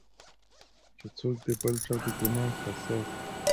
چې څوک د بل چا د ګناه کسات.